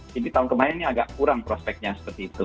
jadi tahun kemarin ini agak kurang prospeknya seperti itu